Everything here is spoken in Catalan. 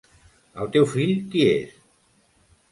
El teu fill, qui és?